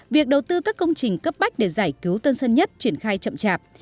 việc đầu tư các công trình cấp bách để giải cứu tân sơn nhất triển khai chậm chạp